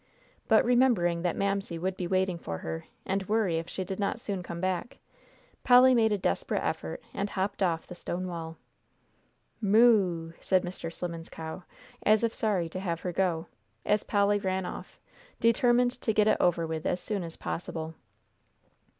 But remembering that Mamsie would be waiting for her, and worry if she did not soon come back, Polly made a desperate effort and hopped off the stone wall. "Moo!" said Mr. Slimmen's cow, as if sorry to have her go, as Polly ran off, determined to get it over with as soon as possible.